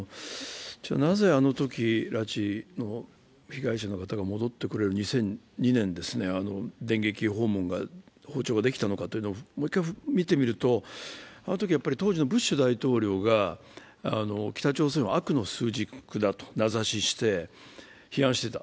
なぜあのとき、拉致被害者の方が戻ってきた２００２年電撃訪問、訪朝ができたのかというのをもう一回見てみると、あのときは当時のブッシュ大統領が北朝鮮を悪の枢軸だと名指しして批判していた。